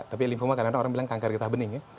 tapi linfoma karena orang bilang kanker getah bening ya